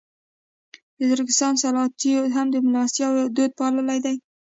د ترکستان سلاطینو هم د مېلمستیاوو دود پاللی دی.